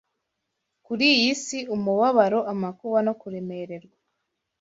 kuri iyi si, umubabaro, amakuba no kuremererwa